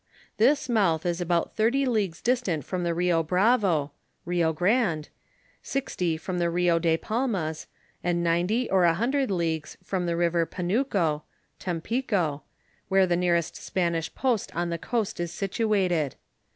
This mouth is about thirty leagues distant from the Rio Bravo, (Rio Grande), sixty from the Rio de Palmas, and ninety or a hundred leagues from the river Panuco (Tampico), where the nearest Spanish post on the coast is situated.